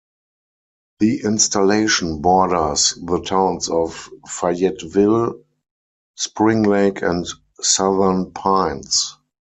The installation borders the towns of Fayetteville, Spring Lake and Southern Pines.